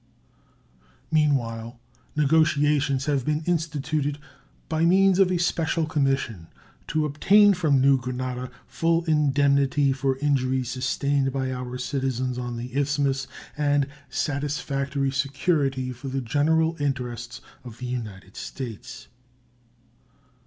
Meanwhile negotiations have been instituted, by means of a special commission, to obtain from New Granada full indemnity for injuries sustained by our citizens on the Isthmus and satisfactory security for the general interests of the United States.